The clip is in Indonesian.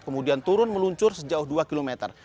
kemudian turun meluncur sejauh dua kilometer